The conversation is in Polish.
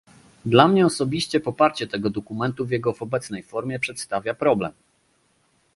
Dla mnie osobiście poparcie tego dokumentu w jego obecnej formie przedstawia problem